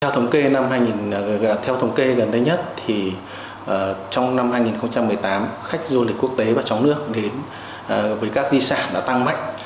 theo thống kê gần đây nhất trong năm hai nghìn một mươi tám khách du lịch quốc tế và chóng nước đến với các di sản đã tăng mạnh